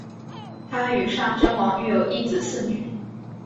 她与尚贞王育有一子四女。